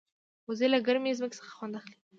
وزې له ګرمې ځمکې څخه خوند اخلي